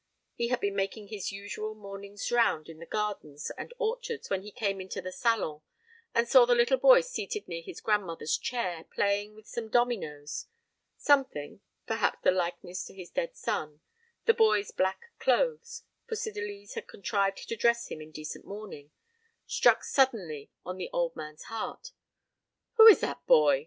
He had been making his usual morning's round in the gardens and orchards, when he came into the salon, and saw the little boy seated near his grandmother's chair, playing with some dominoes. Something perhaps the likeness to his dead son the boy's black clothes, for Cydalise had contrived to dress him in decent mourning struck suddenly on the old man's heart. "Who is that boy?"